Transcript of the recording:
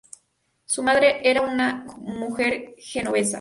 Su madre era una mujer genovesa.